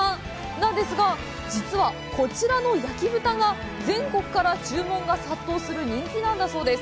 なんですが、実はこちらの焼き豚が全国から注文が殺到する人気なんだそうです。